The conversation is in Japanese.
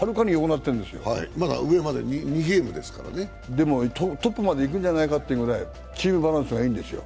でもトップまで行くんじゃないかってぐらいチームバランスがいいんですよ。